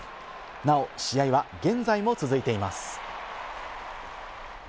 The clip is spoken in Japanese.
なお、試合は現在も続いています。